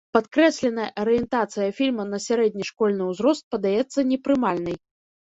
Падкрэсленая арыентацыя фільма на сярэдні школьны ўзрост падаецца непрымальнай.